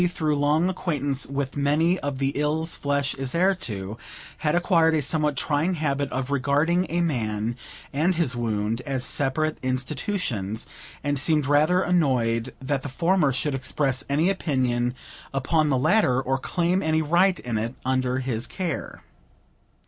through long acquaintance with many of the ills flesh is heir to, had acquired a somewhat trying habit of regarding a man and his wound as separate institutions, and seemed rather annoyed that the former should express any opinion upon the latter, or claim any right in it, while under his care.